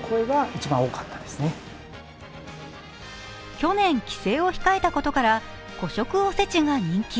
去年、帰省を控えたことから個食おせちが人気。